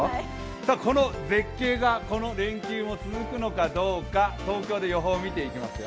この絶景がこの連休も続くのかどうか、東京で予報を見ていきますよ。